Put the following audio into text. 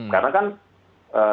karena kan selama ini kan